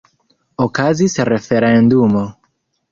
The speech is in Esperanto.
Okazis referendumo.